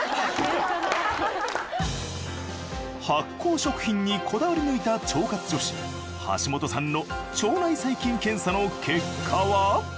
発酵食品にこだわり抜いた腸活女子橋本さんの腸内細菌検査の結果は？